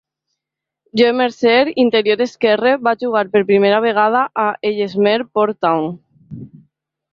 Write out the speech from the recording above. Joe Mercer, interior esquerre, va jugar per primera vegada a Ellesmere Port Town.